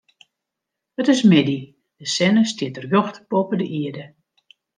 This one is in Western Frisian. It is middei, de sinne stiet rjocht boppe de ierde.